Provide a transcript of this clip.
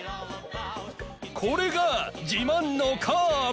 これがじまんのカーブ！